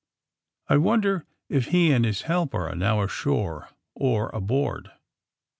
^^I wonder if he and his helper are now ashore or aboard?